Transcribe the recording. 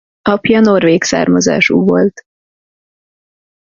Apja norvég származású volt.